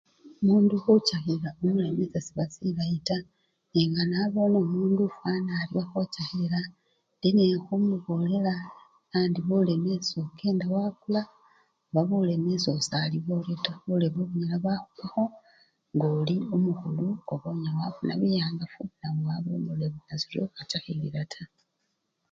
Omundu khuchakhilila omuleme sesiba silayi taa nenga nabone omundu ofwana aryo okhochakhilila indi nekhumubolela nandi buleme sokenda wakula oba buleme sosalibwa oryo taa buleme bunyala bwakhubakho ngoli omukhulu oba onyala wafuna biyangafu nawe waba omuleme nasiryo okhachakhilila taa.